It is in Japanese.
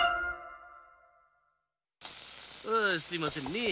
ああすいませんねえ。